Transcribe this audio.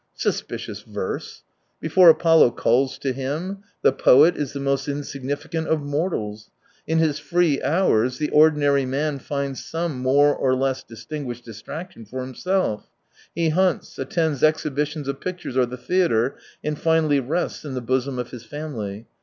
Suspicious verse ! Before Apollo calls to him — the poet is the most insignificant of mortals ! In his free hours, the ordinary man finds some more or less distinguished distraction for himself : he hunts, attends exhibitions of pictures, or the theatre, and finally rests in the bosom of his family.